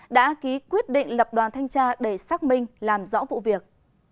đã ký quyết định lập đoàn thanh tra để xác minh làm rõ vụ việc